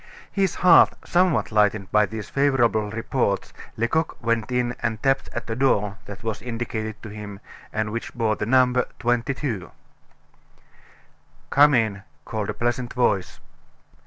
His heart somewhat lightened by these favorable reports, Lecoq went and tapped at a door that was indicated to him, and which bore the number 22. "Come in!" called out a pleasant voice.